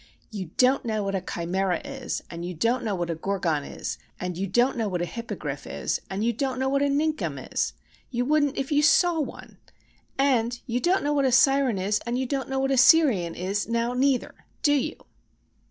"You don't know what a Chimera is; and you don't know what a Gorgon is; and you don't know what a Hippogrif is; and you don't know what a Ninkum is! You wouldn't if you saw one! And you don't know what a Siren is; and you don't know what Syrian is, now neither! Do you?"